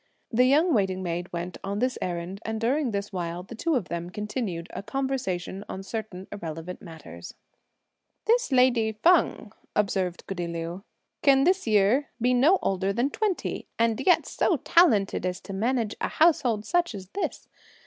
The young waiting maid went on this errand, and during this while, the two of them continued a conversation on certain irrelevant matters. "This lady Feng," observed goody Liu, "can this year be no older than twenty, and yet so talented as to manage such a household as this!